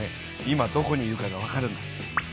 今どこにいるかがわかるんだ。